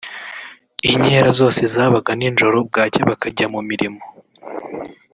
inkera zose zabaga nijoro bwacya bakajya mu mirimo